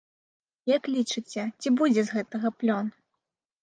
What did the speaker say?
Як лічыце, ці будзе з гэтага плён?